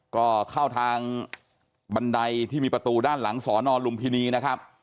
ก็เข้าทางบันไดที่มีประตูด้านหลังสอนอลุมพินีนะครับ